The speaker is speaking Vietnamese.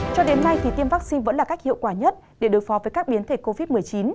cho đến nay thì tiêm vaccine vẫn là cách hiệu quả nhất để đối phó với các biến thể covid một mươi chín